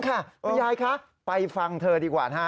คุณยายคะไปฟังเธอดีกว่านะฮะ